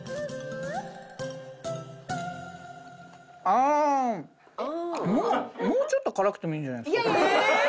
あんもうちょっと辛くてもいいんじゃないですか？